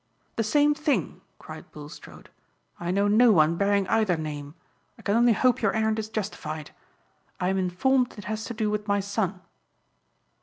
"The same thing," cried Bulstrode. "I know no one bearing either name. I can only hope your errand is justified. I am informed it has to do with my son."